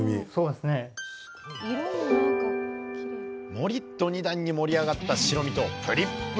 モリッと２段に盛り上がった白身とプリップリの黄身！